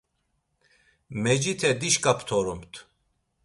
Mecite dişǩa ptorumt.